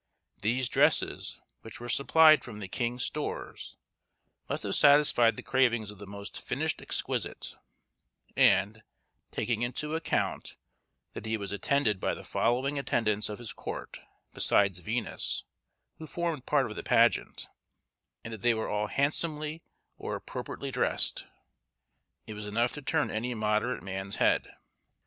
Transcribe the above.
These dresses, which were supplied from the king's stores, must have satisfied the cravings of the most finished exquisite: and, taking into account that he was attended by the following attendants of his court, besides Venus, who formed part of the pageant, and that they were all handsomely or appropriately dressed, it was enough to turn any moderate man's head.